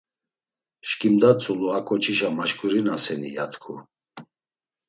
Şǩimda tzulu a ǩoçişa maşǩurinaseni, ya t̆ǩu.